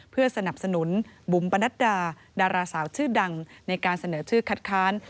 เพื่อสนับสนุนบุ๋มปนัดดาดาราสาวชื่อดังในการเสนอชื่อคัดค้าน